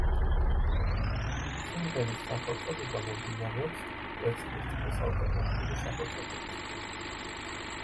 სიმღერის სახელწოდება მომდინარეობს ვერცხლისწყლის ალტერნატიული სახელწოდებისგან.